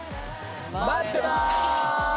まってます！